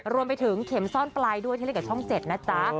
รวมไปถึงเข็มซ่อนปลายรายได้กับช่องเจ็ดนะคะ